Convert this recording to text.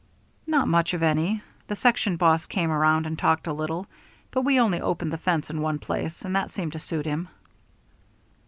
"Not much of any. The section boss came around and talked a little, but we only opened the fence in one place, and that seemed to suit him."